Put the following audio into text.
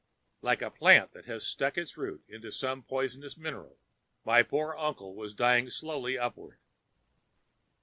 Like a plant that has struck its root into some poisonous mineral, my poor uncle was dying slowly upward.